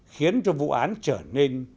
khiến cho vụ án trở nên